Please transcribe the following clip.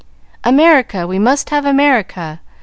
"'America!' We must have 'America!'